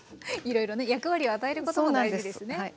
いろいろね役割を与えることも大事ですね。